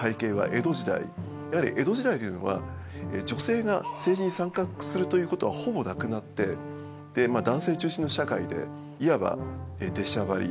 やはり江戸時代というのは女性が政治に参画するということはほぼなくなってまあ男性中心の社会でいわば出しゃばりとかですね